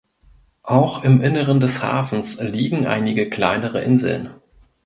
Auch im Inneren des Hafens liegen einige kleinere Inseln.